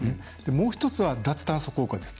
もう一つは、脱炭素効果です。